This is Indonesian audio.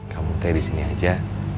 kamu teh di sini aja